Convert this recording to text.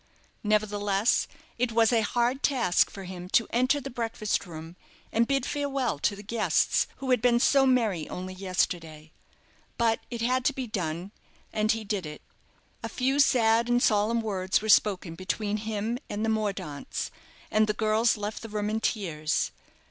Nevertheless, it was a hard task for him to enter the breakfast room, and bid farewell to the guests who had been so merry only yesterday. But it had to be done, and he did it. A few sad and solemn words were spoken between him and the Mordaunts, and the girls left the room in tears.